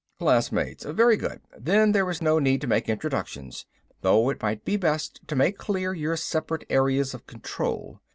"Classmates. Very good then there is no need to make introductions. Though it might be best to make clear your separate areas of control.